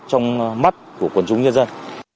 được hình ảnh rất đẹp trong mắt của quần chúng nhân dân